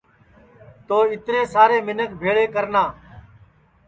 تو اِترے سارے منکھ بھیݪے کرنا